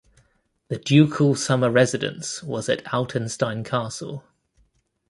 The ducal summer residence was at Altenstein Castle.